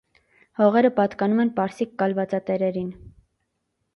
Հողերը պատկանում են պարսիկ կալվածատերերին։